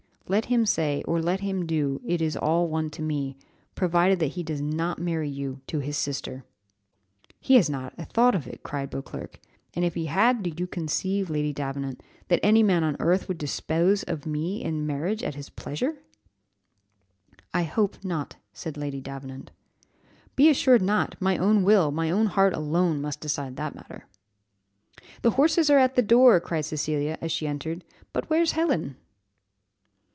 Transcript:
Let him say, 'or let them do, it is all one to me,' provided that he does not marry you to his sister." "He has not a thought of it," cried Beauclerc; "and if he had, do you conceive, Lady Davenant, that any man on earth could dispose of me in marriage, at his pleasure?" "I hope not," said Lady Davenant. "Be assured not; my own will, my own heart alone, must decide that matter." "The horses are at the door!" cried Cecilia, as she entered; but "where's Helen?"